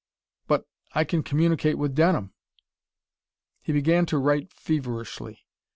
"But I can communicate with Denham!" He began to write feverishly.